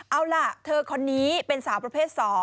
เอาล่ะเธอคนนี้เป็นสาวประเภท๒